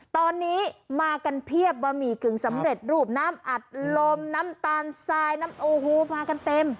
ตอนนี้มากันเพียบบะหมี่กึ่งสำเร็จรูปน้ำอัดลมน้ำตาลทรายน้ำโอ้โหมากันเต็ม